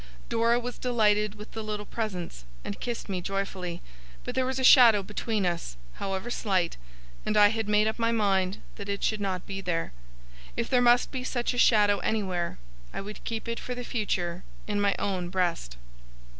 Dora was delighted with the little presents, and kissed me joyfully; but there was a shadow between us, however slight, and I had made up my mind that it should not be there. If there must be such a shadow anywhere, I would keep it for the future in my own breast.